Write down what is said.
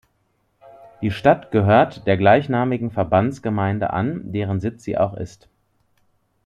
Die Stadt gehört der gleichnamigen Verbandsgemeinde an, deren Sitz sie auch ist.